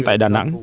tại đà nẵng